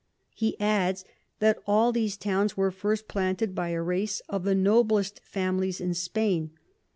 He adds, that all these Towns were first planted by a Race of the noblest Families in Spain.